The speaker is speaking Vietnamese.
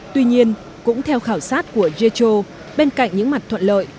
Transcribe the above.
tuy nhiên cũng theo khảo sát của jetro bên cạnh những mặt thuận lợi